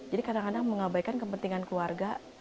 jadi kadang kadang mengabaikan kepentingan keluarga